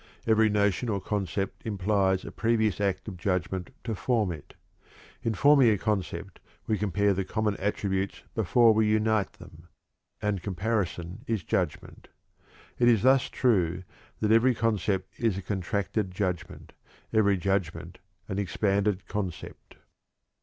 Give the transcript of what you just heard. Every notion or concept implies a previous act of judgment to form it; in forming a concept we compare the common attributes before we unite them, and comparison is judgment. It is thus true that 'Every concept is a contracted judgment; every judgment an expanded concept.'"